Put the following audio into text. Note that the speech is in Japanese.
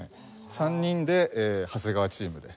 ３人で長谷川チームで。